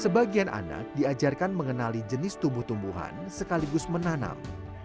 sebagian anak diajarkan mengenali jenis tumbuh tumbuhan sekaligus menanam